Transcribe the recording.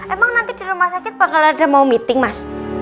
emang nanti di rumah sakit bakal ada mau meeting mas